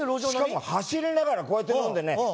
しかも走りながらこうやって飲んでね